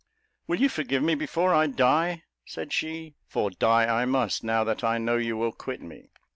"Will you forgive me before I die?" said she; "for die I must, now that I know you will quit me!"